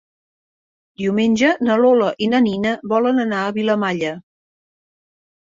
Diumenge na Lola i na Nina volen anar a Vilamalla.